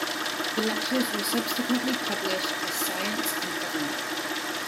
The lectures were subsequently published as Science and Government.